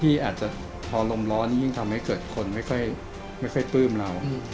ที่อาจจะพอลมร้อนยิ่งทำให้เกิดคนไม่ค่อยปลื้มเรา